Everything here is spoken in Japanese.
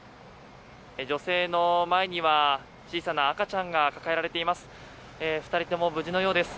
女性の前には小さな赤ちゃんが抱えられています。